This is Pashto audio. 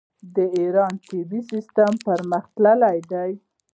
د ایران طبي سیستم پرمختللی دی.